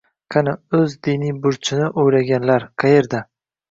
Qani, o'z diniy burchini o'ylaganlar?! Qaerda?!!